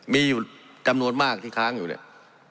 มีอยู่จำนวนมากที่ค้างอยู่เนี่ย